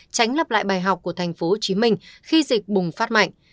tránh lặp lại bài học của thành phố hồ chí minh khi dịch bùng phát mạnh